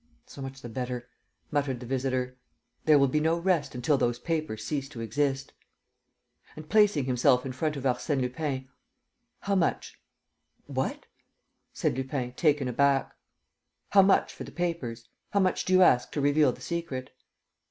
"So much the better," muttered the visitor. "There will be no rest until those papers cease to exist." And, placing himself in front of Arsène Lupin: "How much?" "What?" said Lupin, taken aback. "How much for the papers? How much do you ask to reveal the secret?"